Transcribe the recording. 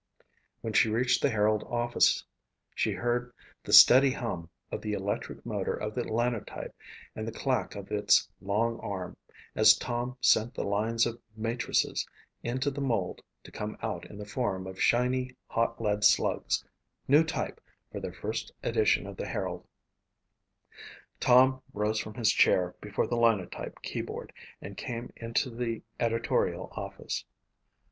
When she reached the Herald office she heard the steady hum of the electric motor of the Linotype and the clack of its long arm as Tom sent the lines of matrices into the mould to come out in the form of shiny, hot lead slugs new type for their first edition of the Herald. Tom rose from his chair before the Linotype keyboard and came into the editorial office.